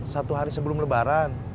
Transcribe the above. satu hari sebelum lebaran